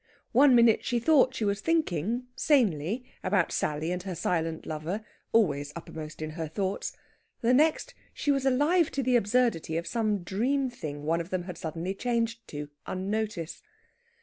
One minute she thought she was thinking, sanely, about Sally and her silent lover always uppermost in her thoughts the next, she was alive to the absurdity of some dream thing one of them had suddenly changed to, unnoticed.